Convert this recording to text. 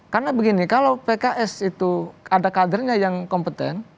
karena begini kalau pks itu ada kadernya yang kompeten